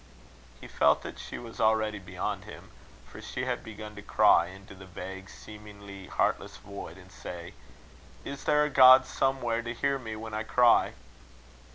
He felt that she was already beyond him; for she had begun to cry into the vague, seemingly heartless void, and say: "Is there a God somewhere to hear me when I cry?"